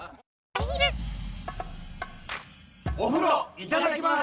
「お風呂いただきます」。